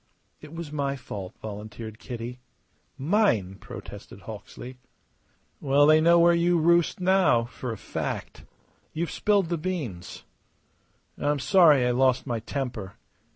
"It was my fault," volunteered Kitty. "Mine," protested Hawksley. "Well, they know where you roost now, for a fact. You've spilled the beans. I'm sorry I lost my temper.